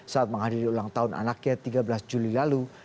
saat menghadiri ulang tahun anaknya tiga belas juli lalu